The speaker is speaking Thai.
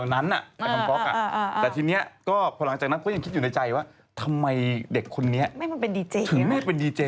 นั้นตั้งแต่วันนั้นน่ะ